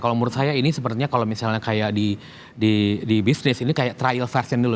kalau menurut saya ini sepertinya kalau misalnya kayak di bisnis ini kayak trial version dulu